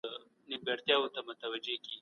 ايا ژبه د ستونزو لامل کېدای سي؟